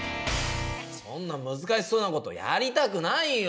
そんな難しそうなことやりたくないよ！